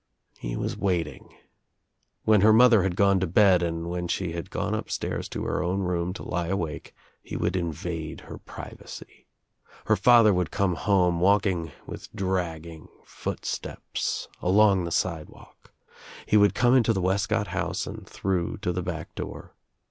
He was watting. When her mother had gone to bed and when she had gone upstairs to her own room to lie awake he would invade her privacy. Her father would come home, walking with dragging footsteps along the sidewalk. He would come into the Wescott house and through to the back door.